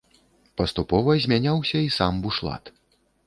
Паступова змяняўся і сам бушлат.